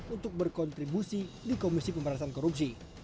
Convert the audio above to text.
untuk berkontribusi di komisi pemberantasan korupsi